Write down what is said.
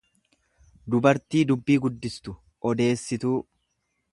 dubartii dubbii guddistu, odeessituu.